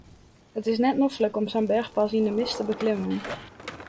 It is net noflik om sa'n berchpas yn de mist te beklimmen.